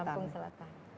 iya lampung selatan